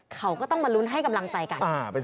เขาก็ต้องมาลุ้นให้กำลังใจกัน